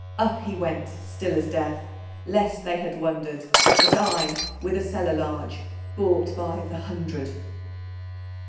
Up he went, still as death, Lest they had wondered That I, with a cellar large, Bought by the "Hundred